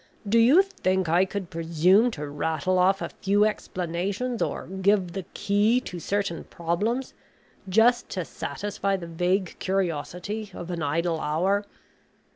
Do you think I could presume to rattle off a few explanations or give the key to certain problems just to satisfy the vague curiosity of an idle hour.